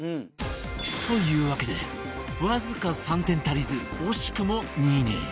というわけでわずか３点足りず惜しくも２位に